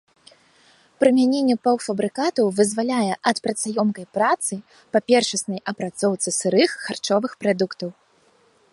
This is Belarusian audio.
Прымяненне паўфабрыкатаў вызваляе ад працаёмкай працы па першаснай апрацоўцы сырых харчовых прадуктаў.